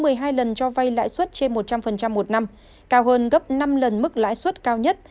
quân đã cho vay lãi suất trên một trăm linh một năm cao hơn gấp năm lần mức lãi suất cao nhất